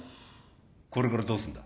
これからどうするんだ？